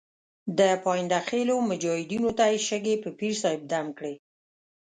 د پاینده خېلو مجاهدینو ته یې شګې په پیر صاحب دم کړې.